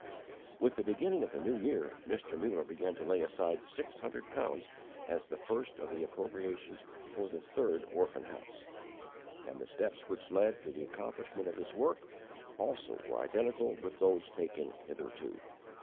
With the beginning of the new year, Mr. Muller began to lay aside six hundred pounds as the first of the appropriations for the third orphan house, and the steps which led to the accomplishment of this work, also, were identical with those taken hitherto.